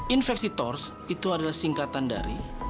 infeksi tors itu adalah singkatan dari